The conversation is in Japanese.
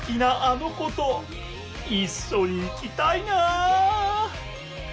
あの子といっしょに行きたいな！